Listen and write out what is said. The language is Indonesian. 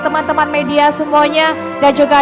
teman teman media semuanya dan juga